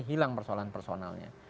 hilang persoalan personalnya